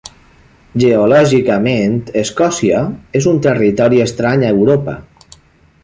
Geològicament, Escòcia és un territori estrany a Europa.